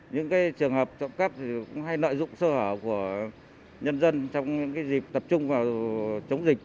những trường hợp trộm cắp cũng hay lợi dụng sơ hở của nhân dân trong dịp tập trung vào chống dịch